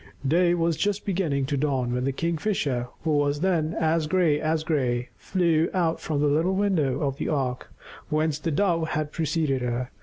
Day was just beginning to dawn when the Kingfisher, who was then as gray as gray, flew out from the little window of the ark whence the Dove had preceded her.